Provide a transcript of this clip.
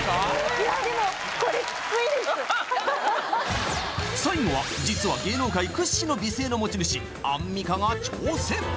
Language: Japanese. いやでもこれ最後は実は芸能界屈指の美声の持ち主アンミカが挑戦